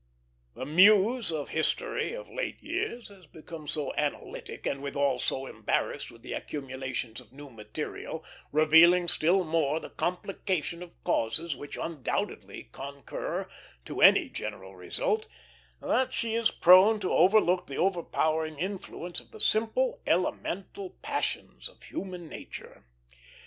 The Muse of History of late years has become so analytic, and withal so embarrassed with the accumulations of new material, revealing still more the complication of causes which undoubtedly concur to any general result, that she is prone to overlook the overpowering influence of the simple elemental passions of human nature.